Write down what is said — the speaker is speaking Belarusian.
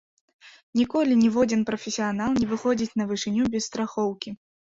Ніколі ніводзін прафесіянал не выходзіць на вышыню без страхоўкі.